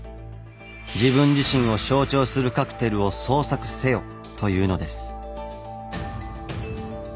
「自分自身を象徴するカクテルを創作せよ」というのです。